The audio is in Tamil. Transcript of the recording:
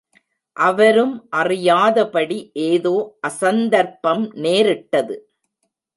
அவரும் அறியாதபடி ஏதோ அசந்தர்ப்பம் நேரிட்டது.